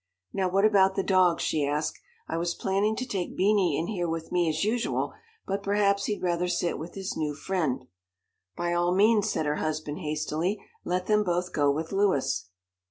"Now what about the dogs?" she asked. "I was planning to take Beanie in here with me as usual, but perhaps he'd rather sit with his new friend." "By all means," said her husband hastily. "Let them both go with Louis."